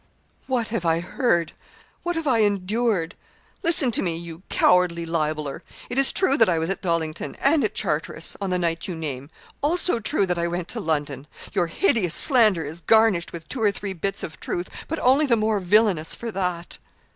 'What have I heard what have I endured? Listen to me, you cowardly libeller. It is true that I was at Dollington, and at Charteris, on the night you name. Also true that I went to London. Your hideous slander is garnished with two or three bits of truth, but only the more villainous for that.